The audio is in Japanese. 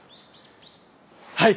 はい！